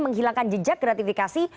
menghilangkan jejak gratifikasi